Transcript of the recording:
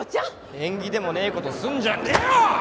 縁起でもねえ事するんじゃねえよ！